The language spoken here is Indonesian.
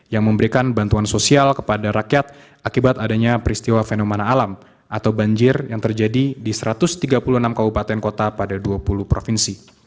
yang memberikan bantuan sosial kepada rakyat akibat adanya peristiwa fenomena alam atau banjir yang terjadi di satu ratus tiga puluh enam kabupaten kota pada dua puluh provinsi